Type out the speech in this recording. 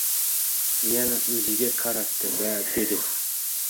Yana o‘ziga qaratdi va dedi.